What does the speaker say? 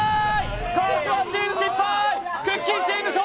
川島チーム失敗！